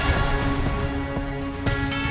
kita harus berhenti